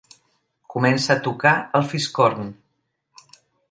Comença a tocar el fiscorn.